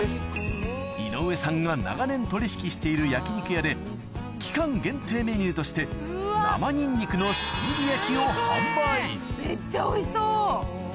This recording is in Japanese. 井上さんが長年取引している焼き肉屋で期間限定メニューとして生ニンニクの炭火焼きを販売めっちゃおいしそう。